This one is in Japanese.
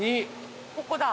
ここだ。